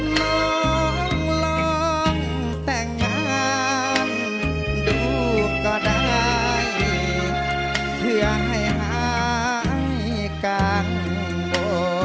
ลองลองแต่งงานดูก็ได้เพื่อให้หายกันโอ้